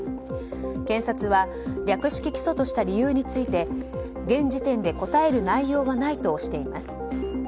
検察は略式起訴とした理由について現時点で答える内容はないとしています。